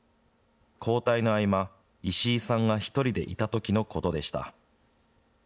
交代の合間、石井さんが１人でいたときのことでした。